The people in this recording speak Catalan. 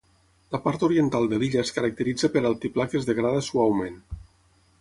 La part oriental de l'illa es caracteritza per altiplà que es degrada suaument.